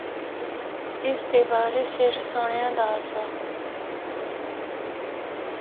اس دے بارے صرف سنڑیا دا آسا۔